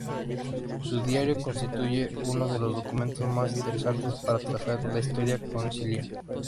Su "Diario" constituye uno de los documentos más interesantes para trazar la historia conciliar.